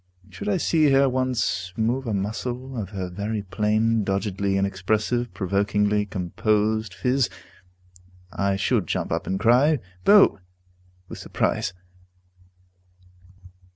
Should I see her once move a muscle of her very plain, doggedly inexpressive, provokingly composed phiz, I should jump up and cry, "Bo!" with surprise.